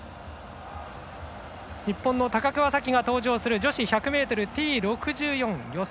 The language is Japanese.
日本の高桑早生が登場する女子１００ｍＴ６４予選。